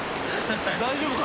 大丈夫かな？